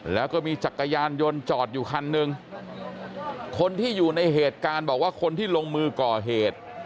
แล้วก็มีจักรยานยนต์จอดอยู่คันหนึ่งคนที่อยู่ในเหตุการณ์บอกว่าคนที่ลงมือก่อเหตุ